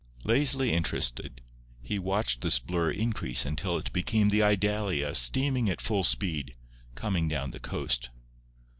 Lazily interested, he watched this blur increase until it became the Idalia steaming at full speed, coming down the coast.